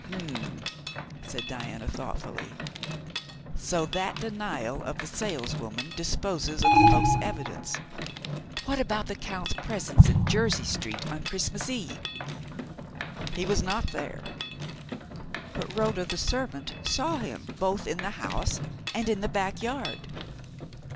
"H'm!" said Diana thoughtfully, "so that denial of the saleswoman disposes of the cloak's evidence. What about the Count's presence in Jersey Street on Christmas Eve?" "He was not there!" "But Rhoda, the servant, saw him both in the house and in the back yard!"